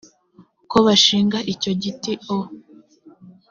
ko bashinga icyo giti o